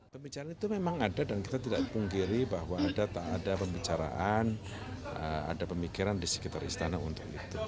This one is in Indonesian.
pembicaraan itu memang ada dan kita tidak pungkiri bahwa tak ada pembicaraan ada pemikiran di sekitar istana untuk itu